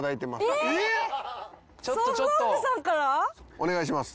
お願いします。